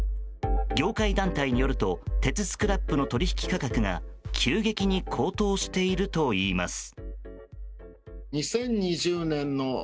業界団体によると鉄スクラップの取引価格が急激に高騰しているといいます。